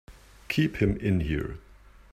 Keep him in here!